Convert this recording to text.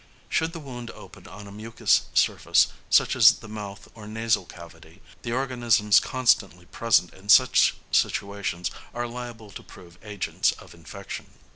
Should the wound open on a mucous surface, such as the mouth or nasal cavity, the organisms constantly present in such situations are liable to prove agents of infection.